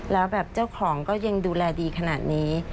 แล้วแบบเจ้าของก็ยังดูแลดีขนาดนี้